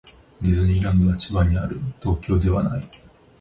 ディズニーランドは千葉にある。東京ではない。